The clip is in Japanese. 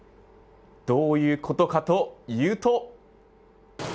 どういうことかと言うと。